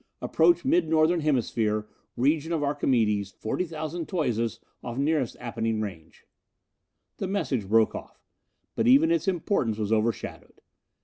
Approach Mid Northern hemisphere, region of Archimedes, forty thousand toises[C] off nearest Apennine range._" The message broke off. But even its importance was overshadowed.